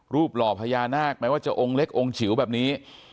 หล่อพญานาคแม้ว่าจะองค์เล็กองค์ฉิวแบบนี้